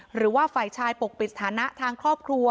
หรือว่าฝ่ายชายปกปิดสถานะทางครอบครัว